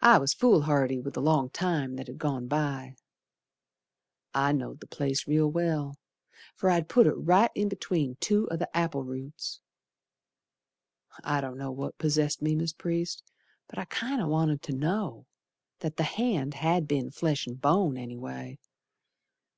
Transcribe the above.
I was foolhardy with the long time that had gone by. I know'd the place real well, Fer I'd put it right in between two o' the apple roots. I don't know what possessed me, Mis' Priest, But I kinder wanted to know That the hand had been flesh and bone, anyway.